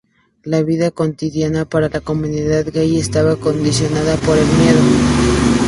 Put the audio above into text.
La vida cotidiana para la comunidad gay estaba condicionada por el miedo.